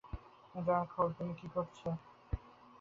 Darkhold দিয়ে তুমি কী করছো?